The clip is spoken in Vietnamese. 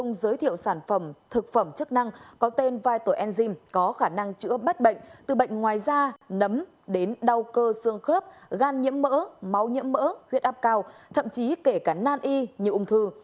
ông giới thiệu sản phẩm thực phẩm chức năng có tên vital enzym có khả năng chữa bách bệnh từ bệnh ngoài da nấm đến đau cơ xương khớp gan nhiễm mỡ máu nhiễm mỡ huyết áp cao thậm chí kể cả nan y như ung thư